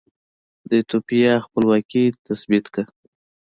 د ایتوپیا خپلواکي تثبیت کړه.